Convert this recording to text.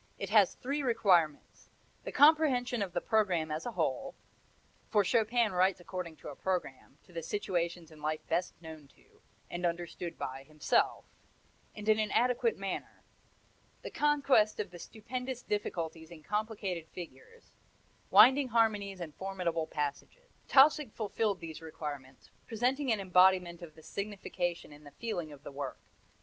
It has three requirements: The comprehension of the programme as a whole, for Chopin writes according to a programme, to the situations in life best known to, and understood by himself; and in an adequate manner; the conquest of the stupendous difficulties in complicated figures, winding harmonies and formidable passages. Tausig fulfilled these requirements, presenting an embodiment of the signification and the feeling of the work.